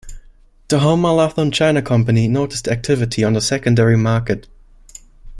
The Homer Laughlin China Company noticed the activity on the secondary market.